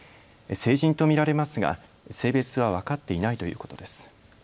成人と見られますが性別は分かっていないということです。